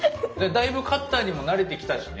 だいぶカッターにも慣れてきたしね。